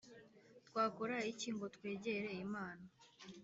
Twakora iki ngo twegere Imana?